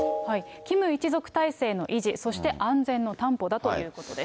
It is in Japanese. キム一族体制の維持、そして安全の担保だということです。